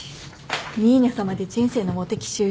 ニーニャさまで人生のモテ期終了。